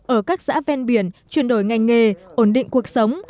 ở các xã ven biển chuyển đổi ngành nghề ổn định cuộc sống